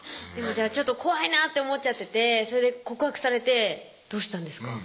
じゃあちょっと怖いなって思っちゃってて告白されてどうしたんですか？